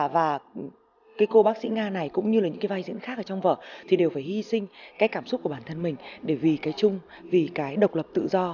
và cái cô bác sĩ nga này cũng như là những cái vai diễn khác ở trong vở thì đều phải hy sinh cái cảm xúc của bản thân mình để vì cái chung vì cái độc lập tự do